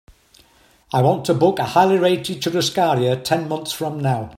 I want to book a highly rated churrascaria ten months from now.